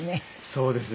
そうですね。